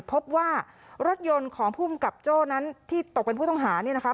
พบว่ารถยนต์ของภูมิกับโจ้นั้นที่ตกเป็นผู้ต้องหาเนี่ยนะคะ